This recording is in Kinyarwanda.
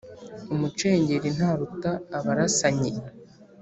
umucengeli ntaruta abarasanyi